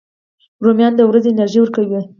رومیان د ورځې انرژي ورکوي